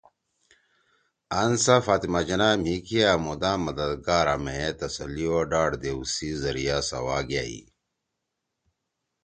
”آنسہ فاطمہ جناح مھی کیا مُدام مددگار آں مھیئے تسلی او ڈاڈ دیؤ سی ذریعہ سوا گأئی